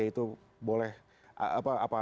itu boleh apa